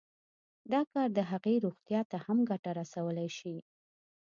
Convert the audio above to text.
دا کار د هغې روغتيا ته هم ګټه رسولی شي